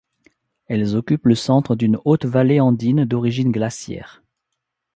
Elles occupent le centre d'une haute vallée andine d'origine glaciaire.